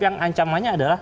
yang ancamannya adalah